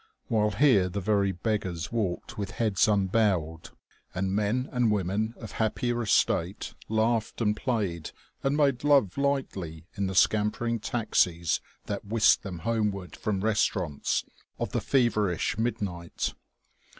While here the very beggars walked with heads unbowed, and men and women of happier estate laughed and played and made love lightly in the scampering taxis that whisked them homeward from restaurants of the feverish midnight.